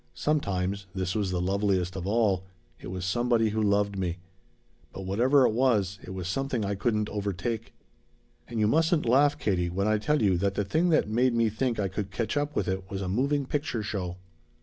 Sometimes this was the loveliest of all it was somebody who loved me. But whatever it was, it was something I couldn't overtake. "And you mustn't laugh, Katie, when I tell you that the thing that made me think I could catch up with it was a moving picture show!